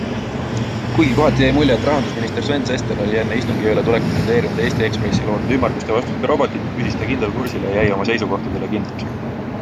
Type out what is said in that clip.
Kuigi kohati jäi mulje, et rahandusminister Sven Sester on enne istungiööle tulekut tudeerinud Eesti Ekspressi loodud ümmarguste vastuste robotit, püsis ta kindlal kursil ja jäi oma seisukohtadele kindlaks.